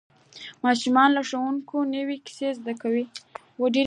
ماشومان له ښوونکي نوې کیسې زده کوي